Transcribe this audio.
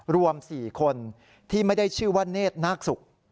รวม๔คนที่ไม่ได้ชื่อว่าเนธนาคศุกร์